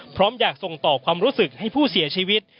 พร้อมอยากส่งต่อความรู้สึกให้ผู้เสียชีวิต